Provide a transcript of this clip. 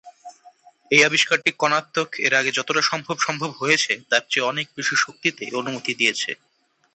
এই আবিষ্কারটি কণা ত্বক এর আগে যতটা সম্ভব সম্ভব হয়েছে তার চেয়ে অনেক বেশি শক্তিতে অনুমতি দিয়েছে।